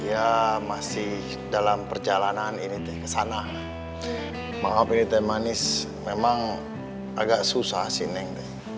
ya masih dalam perjalanan ini teh ke sana maaf ini teh manis memang agak susah sini